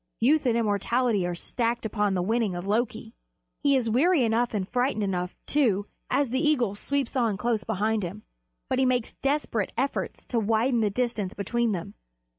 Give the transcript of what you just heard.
Youth and immortality are staked upon the winning of Loki. He is weary enough and frightened enough, too, as the eagle sweeps on close behind him; but he makes desperate efforts to widen the distance between them.